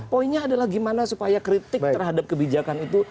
poinnya adalah gimana supaya kritik terhadap kebijakan itu